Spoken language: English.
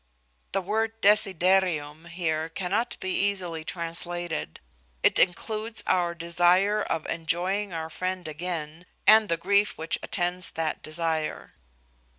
The word desiderium here cannot be easily translated. It includes our desire of enjoying our friend again, and the grief which attends that desire.